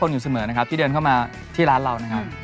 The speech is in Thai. อยู่เสมอนะครับที่เดินเข้ามาที่ร้านเรานะครับ